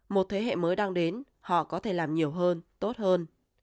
một thế hệ mới đang đến họ có thể làm nhiều hơn tốt hơn